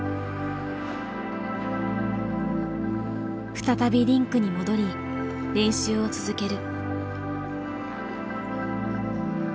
再びリンクに戻り練習を続ける。